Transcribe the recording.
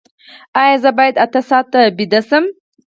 ایا زه باید اته ساعته ویده شم؟